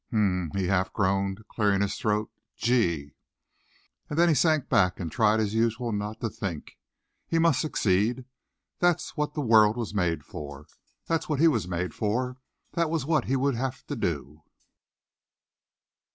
"Hm," he half groaned, clearing his throat. "Gee!" And then he sank back and tried, as usual, not to think. He must succeed. That's what the world was made for. That was what he was made for. That was what he would have to do....